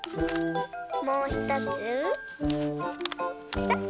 もうひとつぺた。